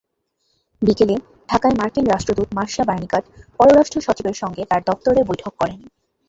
বিকেলে ঢাকায় মার্কিন রাষ্ট্রদূত মার্শা বার্নিকাট পররাষ্ট্রসচিবের সঙ্গে তাঁর দপ্তরে বৈঠক করেন।